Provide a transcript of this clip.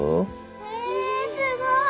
へぇすごい！